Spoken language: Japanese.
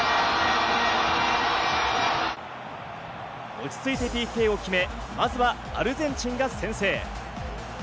落ち着いてＰＫを決め、まずはアルゼンチンが先制。